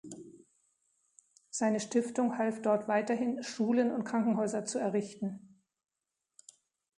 Seine Stiftung half dort weiterhin, Schulen und Krankenhäuser zu errichten.